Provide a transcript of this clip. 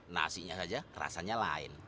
nasinya saja rasanya lain